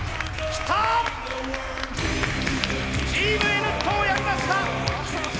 チームＮットーやりました！